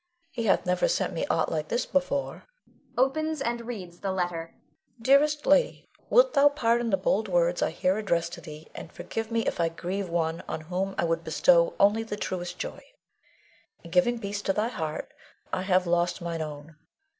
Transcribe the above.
He hath never sent me aught like this before [opens and reads the letter]. Dearest Lady, Wilt thou pardon the bold words I here address to thee, and forgive me if I grieve one on whom I would bestow only the truest joy. In giving peace to thy heart I have lost mine own.